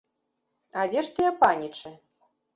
А дзе ж тыя панічы?